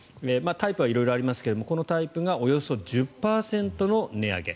タイプは色々ありますがこのタイプがおよそ１０％の値上げ。